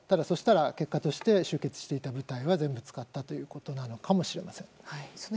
そうしたら結果として集結していた部隊は全部使ったということなのかもしれません。